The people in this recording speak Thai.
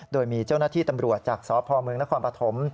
โดยมีเจ้าหน้าที่ตำรวจจากสพเมืองนครปฐม